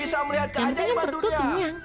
bisa melihat keajaiban dunia